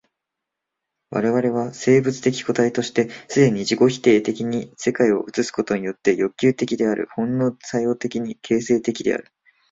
我々は生物的個体として既に自己否定的に世界を映すことによって欲求的である、本能作用的に形成的である。